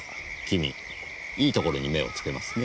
君いいところに目をつけますね。